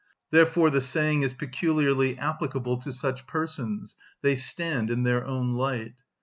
Therefore the saying is peculiarly applicable to such persons: "They stand in their own light."